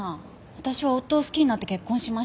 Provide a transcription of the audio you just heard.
私は夫を好きになって結婚しました。